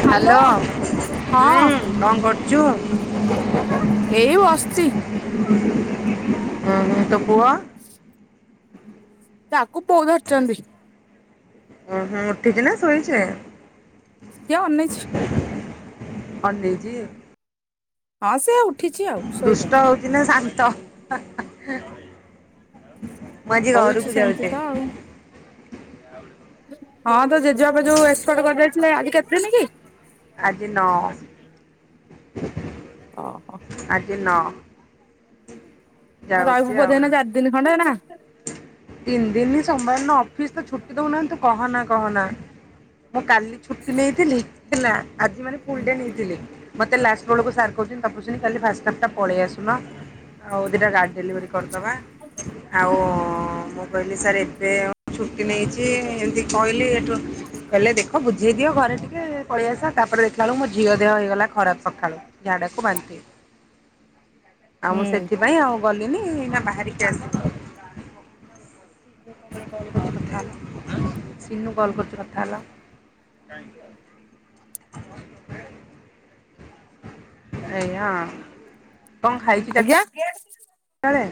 Hello ହଁ ହୁଁ କଣ କରୁଛୁ? ଏଇ [unintelligible] [inaudible] ହଁ ହଁ ତୋ ପୁଅ? ତାଙ୍କୁ ବୋ ଧରିଛନ୍ତି। ଓହୋ ଉଠିଛି ନା ଶୋଇଛେ। ସେ ଅନେଇଛି। ଅନେଈଚି। ହଁ ସେ ଉଠିଛି ଆଉ ଶୋଇନାଇ। ଦିନେ ଶାନ୍ତ [unintelligible] ମୁଁ ଆଜି ହଉଛି ଘରକୁ ସେମିତି ଯାଉଚି ତ ଆଉ ହଁ ତୋ ଜେଜେବାପା ଯୋଉ ଏକ୍ସପାୟାଡ଼୍ କରିଯାଇଥିଲେ ଆଜି କେତେଦିନ କି? ଆଜି ନଅ। ଓହୋ। ଆଜି ନଅ। [inaudible] ରହିବୁ ଆଉ। ବୋଧେ ଏଇନେ ଚାରି ଦିନ ଖଣ୍ଡେ ନା। ତିନି ଦିନି ସୋମବାର ନା ଅଫିସ ତ ଛୁଟି ଦଉନାହାନ୍ତି କହନା କହନା। ମୁଁ କାଲି ଛୁଟି ନେଇଥିଲି, ହେଲା ଆଜି ମାନେ ଫୁଲ ଡେ ନେଇଥିଲି। ମତେ ଲାଷ୍ଟ ବେଳକୁ ସାର କହୁଛନ୍ତି ତପସ୍ବିନୀ କାଲି ଫାଷ୍ଟ ଷ୍ଟପ ଟା ପଳେଇ ଆସୁନ। ଆଉ ଦିଟା ଗାଡି ଡେଲିଭରି କରିଦବା। ଆଉ ମୁଁ କହିଲି ସାର୍ ଏବେ ଆଉ ଛୁଟି ନେଇଚି ଏମିତି କହିଲି ଏଠୁ କହିଲେ ଦେଖ ବୁଝେଇ ଦିଅ ଘରେ ଟିକେ ପଳେଇଆସ ତାପରେ ଦେଖିଲାବେଳକୁ ମୋ ଝିଅ ଦେହ ହେଇଗଲା ଖରାପ ସଖାଳୁ। ଝାଡାକୁ ବାନ୍ତି। [inaudible] ଆଉ ମୁଁ ସେଥିପାଇଁ ଆଉ ଗଲିନି ଏଇନା ବାହାରିକି ଆସିଲି। [inaudible] [unintelligible] ହେଲା ସିନୁ କଲ୍ କରୁଛ କଥା ହେଲା। କଁ [unintelligible] [inaudible] ଏୟା କଣ ଖାଇଛ? ଆଜ୍ଞା। ତଳେ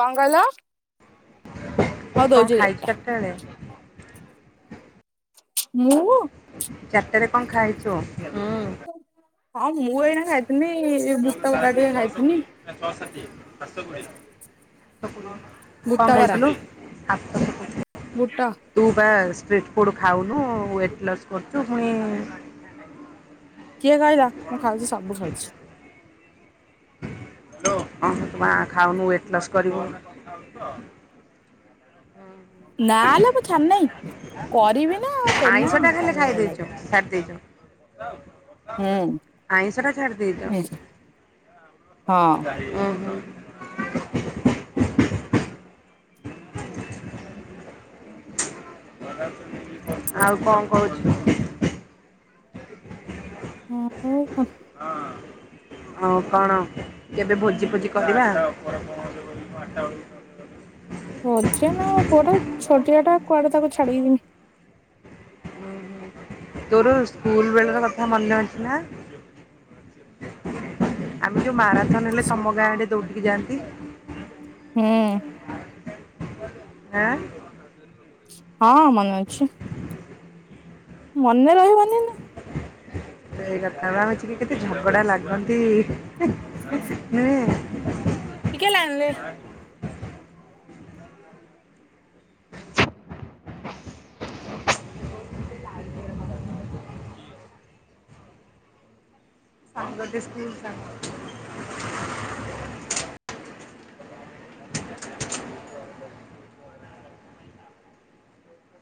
କଣ କହିଲ? ହଉ କଣ ଦଉଛି ଖାଇଛ ଏଗାର ଟା ଚାରିଟା ବେଳେ? ମୁଁ। ଚାରିଟାରେ କଣ ଖାଇଚୁ? ହୁଁ। ହଁ ମୁଁ ଏଇନା ଖାଇଥିନି ବୁଟ ବରା ଟିକେ ଖାଇଥିନି। [unintelligible] କଣ ବୁଟ ବରା ଖାଇଥିଲୁ? [unintelligible] ବୁଟ। ତୁ ବା ଷ୍ଟ୍ରିଟ୍ ଫୁଡ଼ ଖାଉନୁ ୱେଟ୍ ଲସ୍ କରୁଛୁ ପୁଣି କିଏ କହିଲା ମୁଁ ଖାଉଛି ସବୁ ଖାଉଛି। ହେଲୋ। ହଁ ତୁପା ଖାାଉନୁ ୱେଟ ଲସ କରିବୁ। କଥାହେଉଛୁତ। ଅଁ। ନା ଲୋ ମୁଁ ଛାଡ଼ି ନାହିଁ କରିବିନା ଆଉ ଏନା ନୁହେଁ କରିନେଇଏଇନା କେ- ଛାଡି ଦେଇଛ। ଆଇଁଷ ଟା ଛାଡି ଦେଇଛ। ହୁଁ ହଁ ଉହୁଁ। ଆଉ କଣ କହୁଛୁ? ଆଉ କଣ? ହଁ। ଆଉ କଣ କେବେ ଭୋଜି ଫୋଜି କରିବା ଆଉ ମଝିଆ ନା ପୁଅଟା ଛୋଟିଆ ଟା କୁଆଡେ ତାକୁ ଛାଡି କି ଜିମି଼। ଉ ହୁ ତୋର ସ୍କୁଲ ବେଳର କଥା ମନେ ଅଛି ନା? [inaudible] ଆମେ ଯୋଉ ମାରାଥନ୍ ହେଲେ ତମ ଗାଁ ଆଡେ ଦୌଡ଼ିକି ଯାଆନ୍ତି। ହୁଁ। [unintelligible] ଏଁ। ହଁ ମନେ ଅଛି। ମନେ ରହିବନି ନା। ସେଇ କଥା ବା ଆମେ ଆକ୍ଚୁଆଲି କେତେ ଝଗଡା ଲାଗନ୍ତି ହୁଁ ଟିକେ ଲାଇନ୍‌ ରେ ସାଙ୍ଗ ଯେ ସ୍କୁଲ୍ ସାଙ୍ଗ।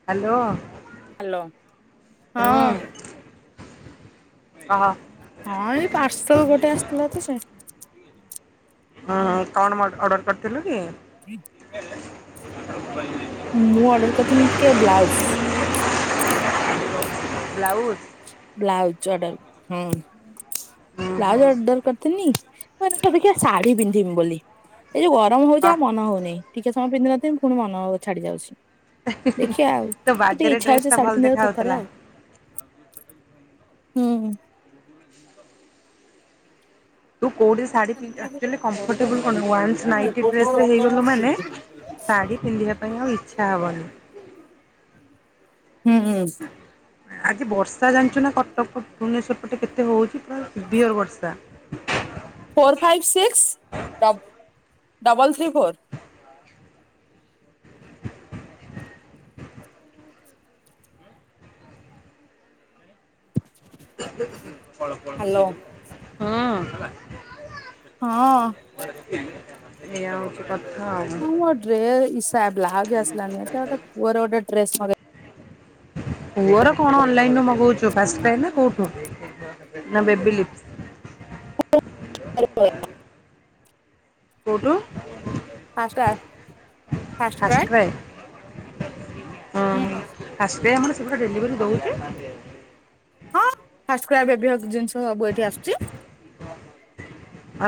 ହ୍ୟାଲୋ। ହଁ। ହୁଁ କହ। ହଁ ଏଇ ପାର୍ସଲ ଗୋଟେ ଆସିଥିଲା ତ ସେ ହଁ କଣ ମ ଅର୍ଡର କରିଥିଲୁ କି? [inaudible] [inaudible] ମୁଁ ଅର୍ଡର କରିଥିଲି ଟିକେ ବ୍ଲାଉଜ୍‌। ବ୍ଲାଉଜ୍? Blouse order. ହୁଁ ବ୍ଲାଉଜ୍ ହୁଁ ଅର୍ଡର କର୍ ତିନି ମୋତେ ତ ଟିକେ ଶାଢୀ ପିନ୍ଧିବି ବୋଲି, ଏ ଯୋଉ ଗରମ ହଉଛି ବା ଆଉ ମନ ହଉନି। ଟିକେ ସମୟ ପିନ୍ଧି ନଥିବି, ପୁଣି ମନ ଛାଡି ଯାଉଛି। ଦେଖିବା ଆଉ। ତୋ ମୋତେ ଟିକେ ବାର୍ଥଡେରେ ଇଚ୍ଛା ଡ୍ରେସ୍ ହଉଛି ଟା ଶାଢୀ ଭଲ ଦେଖା ପିନ୍ଧିବାକୁ ଥ ଥରେ ହଉଥିଲା। ଆଉ। ହୁଁ ହୁଁ। ତୁ କୋଉଠି ଶାଢ଼ୀ ପିନ୍ଧୁ ଆକ୍ଚୁଆଲି କମ୍ଫର୍ଟେବଲ୍ କଣ ୱାନ୍ସ ନାଇଟି ଡ୍ରେସରେ ହେଇଗଲୁ ମାନେ ହୁଁ ଶାଢୀ ପିନ୍ଧିବା ପାଇଁ ଆଉ ଇଚ୍ଛା ହବନି। ହୁଁ ହୁଁ। ଆଜି ବର୍ଷା ଜାଣିଛୁ ନା କଟକ ଭୁବନେଶ୍ୱର ପଟେ କେତେ ହଉଛି ପୁରା ସିଭିୟର୍ ବର୍ଷା। Four five six ଡବ୍ double three four. Hello ହୁଁ। ହଁ। ଏଇଆ ହେଉଛି କଥା ଆଉ‌ କଣ। ଟ୍ରେ ଇସା ବ୍ଲାଉଜ୍ ଆସିଲାନି ଏଟା ଗୋଟେ ପୁଅର ଗୋଟେ ଡ୍ରେସ୍‌ ମଗେଇ ପୁଅର କଣ ଅନଲାଇନ୍‌ ରୁ ମଗଉଛୁ ଫାସ୍ଟ କ୍ରାଇ ନା କୋଉଠୁ, ନା ବେବିଲିପ୍ [inaudible] କୋଉଠୁ? First ଫାଷ୍ଟକ୍ରାଏ first cry. [unintelligible] ହୁଁ। ଫାଷ୍ଟ କ୍ରାଏ ଆମର ସେପଟେ ଡେଲିଭରି ଦଉଛି? ହଁ ଫାଷ୍ଟ କ୍ରାଏ ଏବେ ଜିନିଷ ସବୁ ଏଇଠି ଆସୁଛି।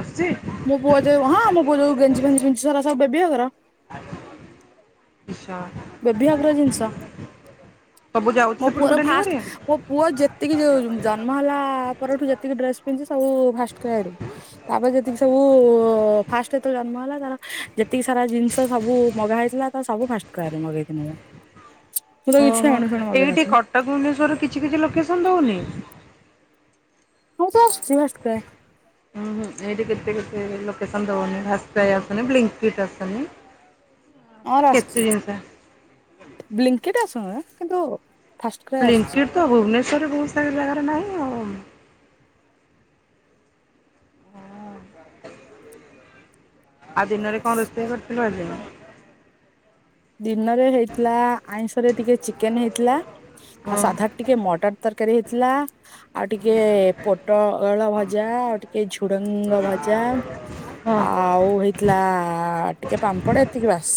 ଆସୁଛି? ମୋ ପୁଅ ଯଉ ହଁ ମୋ ପୁଅ ଯଉ ଗେଞି ଫେଞି ପିନ୍ଧୁଛି ସେରା ସବୁ ବେବି‌ ହଗ୍ ର। ଆ ଆଛା, ବେବି ହକ୍ ର ଜିନିଷ। ସବୁ ଯାଉଛି ମୋ ପୁଅର ସେପଟକୁ ଫାଷ୍ଟ ଡେଲିଭରି? ମୋ ପୁଅ ଯେତିକି ଯ ଜନ୍ମ ହେଲା-ଆ-ଆ-ଆ ପରଠୁ ଯେତିକି ଡ୍ରେସ୍ ପିନ୍ଧଛି ସବୁ ଫାଷ୍ଟ୍ କ୍ରାଏରୁ। ତାପରେ ଯେତିକି ସବୁ-ଉ-ଉ-ଉ ଫାଷ୍ଟ ତ ଜନ୍ମ ହେଲା ତାର ଯେତିକି ସାରା ଜିନିଷ ସବୁ ମଗା ହେଇଥିଲା ତ ସବୁ ଫାଷ୍ଟ୍ କ୍ରାଏରୁ ମଗେଇଥିଲି ପା। ଓହୋଃ, ଏଇଠି କଟକ ଭୁବନେଶ୍ୱର କିଛି କିଛି ଲୋକେସନ ଦଉନି। ମୋର ତ ଆସୁଛି ଫାଷ୍ଟ୍ କ୍ରାଏ। ହୁଁ-ହୁଁ, ଏଇଠି କେତେ କେତେ ଲୋକେସନ୍ ଦଉନି ଫାଷ୍ଟ୍ କ୍ରାଏ ଆସୁନି ବ୍ଲିଙ୍କିଟ୍ ଆସୁନି। ଆର୍ କେତେ ଆସୁଛି, ଜିନିଷ ବ୍ଲିଙ୍କିଟ୍ ଆସୁନି ମ କିନ୍ତୁ ଫାଷ୍ଟ କ୍ରାଏ ଆସୁଛି। ବ୍ଲିଙ୍କିଟ୍ ତ ଭୁବନେଶ୍ୱରରେ ବହୁତ ସାରା ଜାଗାରେ ନାହିଁ ଆଉ। ହଁ। ଆଉ ଦିନରେ କଣ‌ ରୋଷେଇ କରିଥିଲୁ ଆଜି? ଦିନରେ ହେଇଥିଲା ଆଇଁଷରେ ଟିକେ ଚିକେନ୍ ହେଇଥିଲା ହଁ ଆଉ ସାଧା ଟିକେ ମଟର ତରକାରୀ ହେଇଥିଲା ଆଉ ଟିକେ ପୋଟଳ ଭଜା, ଆଉ ଟିକେ ଝୁଡଙ୍ଗ ଭଜା ହଁ ଆଉ ହେଇଥିଲା ଟିକେ ପାମ୍ପଡ ଏତିକି ବାସ୍।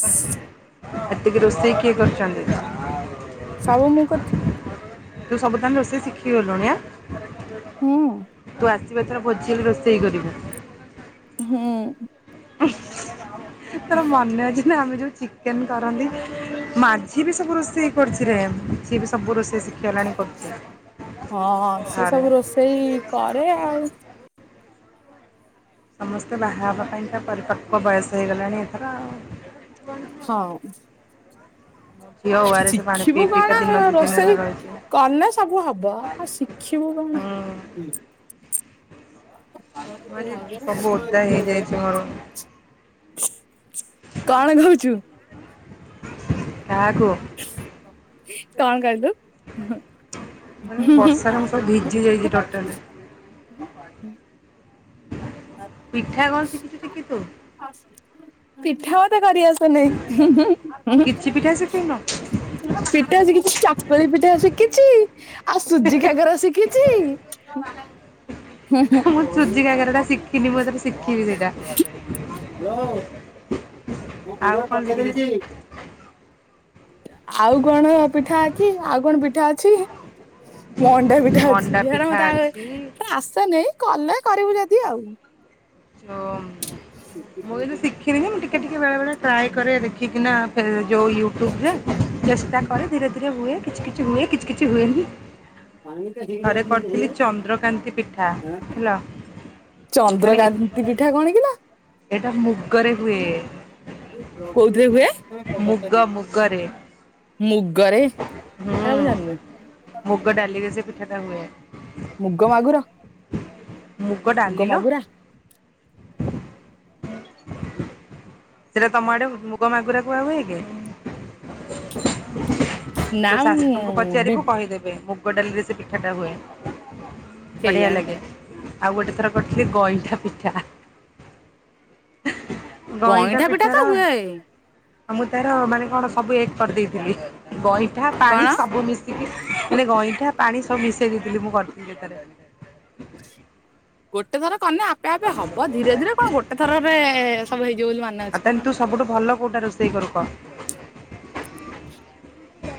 ଏତିକି ରୋଷେଇ କିଏ କରିଛନ୍ତି? ସବୁ ମୁଁ କରିଛି। ତୁ ସବୁ ତାନେ ରୋଷେଇ ଶିଖି ଗଲୁଣି ଆଁ? ହୁଁ। ତୁ ଆସିବ ଏଥର ଭୋଜି ହେଲେ ରୋଷେଇ କରିବୁ। ହୁଁ। ତୋର ମନେ ଅଛି? ନା ଆମେ ଯେଉଁ ଚିକେନ କରନ୍ତି। ମାଝି ବି ସବୁ ରୋଷେଇ କରୁଛି ରେ ସିଏ ବି ସବୁ ରୋଷେଇ ଶିଖି ଗଲାଣି କରୁଛି। ହଁ ସିଏ ଘରେ ସବୁ ରୋଷେଇ କରେ ଆଉ। ସମସ୍ତେ ବାହା ହେବା ପାଇଁ ତ ପରିପକ୍ଵ ବୟସ ହେଇଗଲାଣି ଏଥର ଆଉ। ହଁ। ଝିଅ ହଁ ଓଆରଏସ୍ ପାଣି ଶିଖିବୁ ପିଇ ପିଇକା କଣ ଦିନ ଦି ଦିନ ହେଲା ରୋଷେଇ? ରହିଛି ହୁଁ କଲେ ସବୁ ହବ। ଆଉ ଶିଖିବୁ କଣ? ଆଜି ସବୁ ଓଦା ହେଇଯାଇଛି ମୋର [unintelligible] କଣ କହୁଛୁ? କାହାକୁ? କଣ କହିଲୁ? ମାନେ ବର୍ଷାରେ ମୁଁ ସବୁ ଭିଜି ଯାଇଛି ଟୋଟାଲି ପିଠା କଣ ଶିଖିଛୁ କି ତୁ? ପିଠା ମତେ କରି ଆସେ ନେଇଁ। କିଛି ପିଠା ଶିଖିନୁ ପିଠା ଶିଖିଛି ଚାକୁଳି ପିଠା ଶିଖିଛି, ଆଉ ସୁଜ କାକରା ଶିଖିଛି ଚି। ମୁଁ ସୁଜି କାକରା ଟା ଶିଖିନି ମୁଁ ଏଥର ଶିଖିବି ସେଇଟା। [inaudible] ଆଉ କଣ ଶିଖିଛୁ [inaudible] ଆଉ କଣ ପିଠା ଅଛି - ଆଉ କଣ ପିଠା ଅଛି ମଣ୍ଡା ପିଠା ଅଛି ମଣ୍ଡା ହେରା ପିଠା ମତେ ଅଛି ଆସେ ନାଇଁ। କଲେ କରିବୁ ଯଦି ଆଉ। ଓଃ ମୁଁ [unintelligible] ମୁଁ ଟିକେ ଟିକେ ବେଳେ ବେଳେ ଟ୍ରାଏ କରେ ଦେଖିକିନା ଯୋଉ ୟୁଟ୍ୟୁବ ରେ। ଚେଷ୍ଟା କରେ ଧୀରେ ଧୀରେ ହୁଏ। କିଛି କିଛି ହୁଏ କିଛି କିଛି ହୁଏନି। ଥରେ କରିଥିଲି ଚନ୍ଦ୍ରକାନ୍ତି ପିଠା ହେଲା। ମାନେ ଚନ୍ଦ୍ରକାନ୍ତି ପିଠା କଣ କିଲୋ? ଏଇଟା ମୁଗରେ ହୁଏ କୋଉଥିରେ ହୁଏ? ମୁଗ ମୁଗରେ ମୁଗ ରେ। ହୁଁ ହେରା ମୁଁ ଜାଣିନି। ମୁଗ [unintelligible] ହୁଏ। ମୁଗ ମାଗୁର? ଡାଲି ମୁଗ ଲୋ ମାଗୁରା? ସେଇଟା ତମ ଆଡ଼େ ମୁଗ ମାଗୁର କୁହା ହୁଏ କି? ନା ତୋ ମୁଁ ଶାଶୁଙ୍କୁ ବି ପଚାରିବୁ କହିଦେବେ ମୁ ଗ ଡାଲିରେ ସେ ପିଠାଟା ହୁଏ ବଢ଼ିଆ କେଇଆଣି ଲାଗେ। ଆଉ ଗୋଟେ ଥର କରିଥିଲି ଗଇଁଠା ପିଠା। ଗଇଁଠା ପିଠା ତ ପିଠାର ହୁଏ ଆଉ ମୁଁ ତାର ମାନେ କଣ ସବୁ ଏକ କରି ଦେଇଥିଲି। ଗଇଁଠା, ପାଣି କଣ ସବୁ ମିଶିକି ମାନେ ଗଇଁଠା, ପାଣି ସବୁ ମିଶେଇ ଦେଇଥିଲି, ମୁଁ କରିଥିଲି ଯେତେବେଳେ। ଗୋଟେ ଥର କନେ ଆପେ ଆପେ ହବ ଧୀରେ ଧୀରେ। କଣ ଗୋଟେ ଥରରେ ସବୁ ହେଇଯିବ ବୋଲି ମନେ ଅଛି ନା କଣ। ସବୁ ଭଲ କୋଉଟା ରୋଷେଇ କରୁ କହ।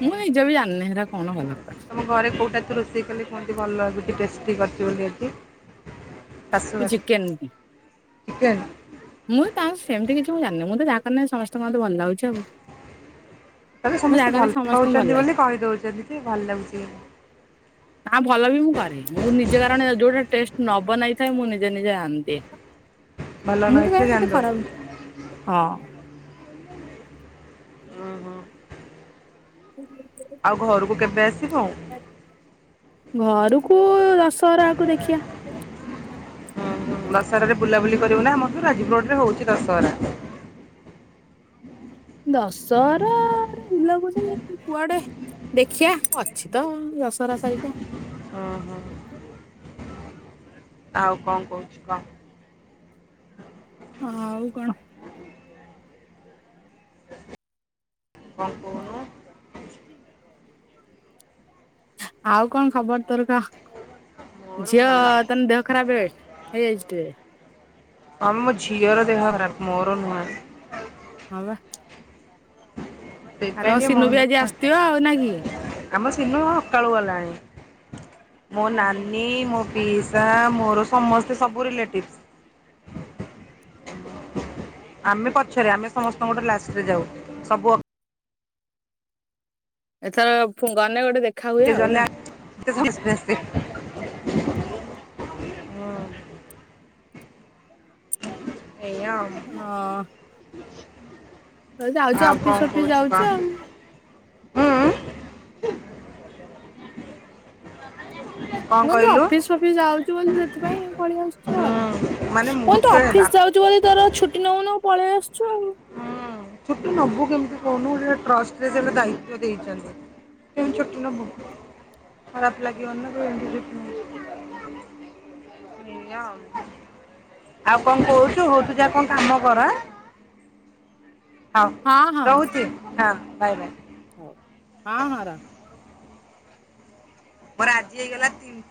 ମୁଁ ନିଜେ ବି ଜାଣିନି ହେରା କଣ ଭଲ କରେ। ତମ ଘରେ କୋଉଟା ତୁ ରୋଷେଇ କଲେ କୁହନ୍ତି ଭଲ ଲାଗୁଚି ଟେଷ୍ଟି କରିଛୁ ବୋଲି ଆଜି? ମୁଁ ଶାଶୁଘରେ ଚିକେନ। ଚିକେନ ମୁଁ ତାଙ୍କୁ ସେମତି କିଛି ମୁଁ ଜାଣିନି। ମୁଁ ତ ଯାହା କହିମି ସମସ୍ତ ମୋତ ଭଲ ଲାଗୁ ତାହେଲେ ଯାହା ସମସ୍ତେ କରେ ଭଲ ସମସ୍ତଙ୍କୁ ଭଲ ପାଉଚନ୍ତି ଲାଗେ। ବୋଲି କହିଦୋଉଚନ୍ତି ଯୋ ଭଲ ଲାଗୁଚି ବୋଲି। ନା ଭଲ ବି ମୁଁ କରେ। ମୁଁ ନିଜେ କାରଣ ଯୋଉଟା ଟେଷ୍ଟ ନବନାଇଥାଏ ମୁଁ ନିଜେ ନିଜେ ଆଣିଦିଏ। ଭଲ ନ ମୁଁ ତ ହେଇଥିଲେ କାଇଁ କେତେ ଜାଣିଦଉ ଖରାପ, ହଁ। ଉଁ ହୁଁ। [unintelligible] ଆଉ ଘରକୁ କେବେ ଆସିବୁ? ଘରକୁ ଦଶହରା ଆକୁ ଦେଖିଆ। ହଁ ଦଶହରାରେ ବୁଲାବୁଲି କରିବୁ ନା ଆମରୁ ଯାଜିପ୍ରୋଡରେ ହୋଉଚି ଦଶହରା। ଦଶହରରେ ବୁଲାବୁଲି କୁଆଡେ ଦେଖିଆ ଅଛି ତ ଦଶହରା ସାରିକା। ହଁ ହଁ। ଆଉ କଣ କୋହୁଚି କହ। ଆଉ କଣ। କଣ କୋହୁନ ଆଉ କଣ ଖବର ତୋର କହ। ମୋର ଝିଅ ଭଲ ତାହେନେ ଦେହ ଖରାପେ। ହେଇଯାଇଚି ଟିକେ। ହଁ ମୋ ଝିଅର ଦେହ ଖରାପ ମୋର ନୁହେଁ। ହଁ ବା। ସେଇଥିପାଇଁ ଆଗ ଟିକେ ମନ ସିନୁ ବି ଆଜି ଦୁଃଖ ଆସିଥିବ ଆଉ ନାଁ କି? ଆମ ସିନ ସକାଳୁ ଗଲାଣି। ମୋ ନାନୀ ମୋ ପିଇସା ମୋର ସମସ୍ତେ ସବୁ ରିଲେଟିଭ୍ ଆମେ ପଛରେ ଆମେ ସମସ୍ତଙ୍କଠାରୁ ଲାଷ୍ଟରେ ଯାଉ। ସବୁ ଅ ଏଥର ଗନେ ଗୋଟେ ଦେ କିଏ ଗଲା [unintelligible] ଏଇୟା ଆଉ। ହଁ। ଯାଉଛୁ ଆଉ ଅଫିସ କଣ ଫଫିସ କୋହୁଚ ଯାଉଛୁ କହ। ଆଉ। ହୁଁ କଣ ମୁଁ କିନ୍ତୁ କହିଲୁ? ଅଫିସ ଫଫିସ ଯାଉଚୁ ବୋଲି ସେଥିପାଇଁ ପଳେଇ ଆସୁଚୁ ହୁଁ ଆଉ। ମାନେ ମୋତେ ଅଫିସ୍ ଯାଉଚୁ ବୋଲି ତୋର ଛୁଟି ନେଉନୁ ପଳେଇ ଆସୁଚ ଆଉ। ହଁ ଛୁଟି ନୋବୁ କେମତି କୋହୁନୁ ଗୋଟେ ଟ୍ରଷ୍ଟରେ ସେ ତ ଦାୟିତ୍ୱ ଦେଇଚନ୍ତି। କେମିତି ଛୁଟି ନୋବୁ ଖରାପ ଲାଗିିବନି ନା କହିବେ ଏମିତି ଛୁଟି ନୋଉ [inaudible] ଏଇୟା ଆଉ କଣ କୋହୁଚୁ ହୋଉ ତୁ ଯା କଣ କାମ କର ଆଁ। ହୋଉ ହଁ ରହୁଚି ହଁ ବାଏ ବାଏ। ହୋଉ ହଁ ହଁ ର ମୋର ଆଜି ହେଇଗଲା ତିନି